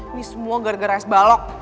ini semua gara gara sbalok